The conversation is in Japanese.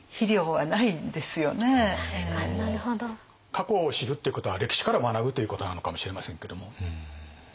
過去を知るっていうことは歴史から学ぶということなのかもしれませんけども。